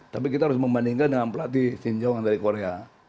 tapi kita harus membandingkan dengan pelatih sinjong yang dari korea